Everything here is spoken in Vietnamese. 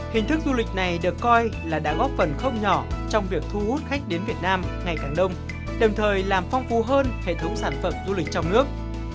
hình thức du lịch này được coi là đã góp phần không nhỏ trong việc thu hút khách đến việt nam ngày càng đông đồng thời làm phong phú hơn hệ thống sản phẩm du lịch trong nước